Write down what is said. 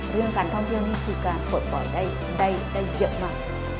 เรื่องการท่องเที่ยวนี่คือการปลดปล่อยได้เยอะมาก